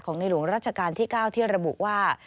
ในหลวงราชการที่๙ที่ระบุว่า